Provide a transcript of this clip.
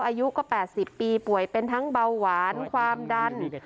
อายุก็๘๐ปีป่วยเป็นทั้งเบาหวานความดัน